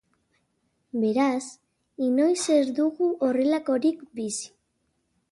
Beraz, inoiz ez dugu horrelakorik bizi.